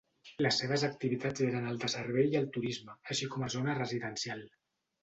Les seves activitats eren el de servei i el turisme, així com a zona residencial.